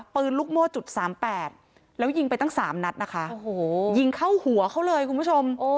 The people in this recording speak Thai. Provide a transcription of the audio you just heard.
ปืนลูกโม่จุดสามแปดแล้วยิงไปตั้งสามนัดนะคะโอ้โหยิงเข้าหัวเขาเลยคุณผู้ชม